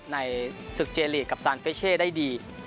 ในศึกเจลีกกับซานเฟชเช่ได้ดี